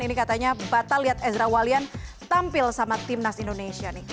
ini katanya batal lihat ezra wallian tampil sama timnas indonesia nih